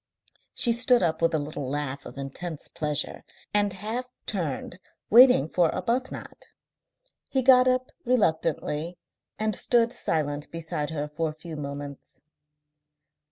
She stood up with a little laugh of intense pleasure, and half turned, waiting for Arbuthnot. He got up reluctantly and stood silent beside her for a few moments.